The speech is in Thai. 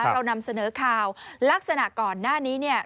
เรานำเสนอข่าวลักษณะก่อนหน้านี้เนี่ย